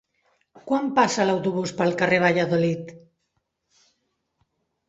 Quan passa l'autobús pel carrer Valladolid?